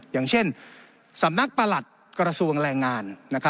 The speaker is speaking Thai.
อย่างเช่นสำนักประหลัดกระทรวงแรงงาน